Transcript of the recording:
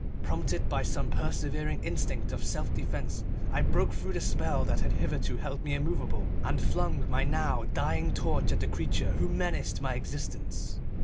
Prompted by some preserving instinct of self defense, I broke through the spell that had hitherto held me immovable, and flung my now dying torch at the creature who menaced my existence.